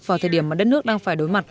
vào thời điểm mà đất nước đang phải đối mặt